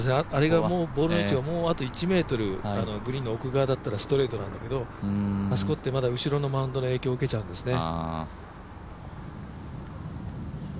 ボールの位置がもう１ｍグリーンの奥側だったらストレートだったんだけどあそこって、まだ後ろのマウンドの影響を受けちゃうんですね。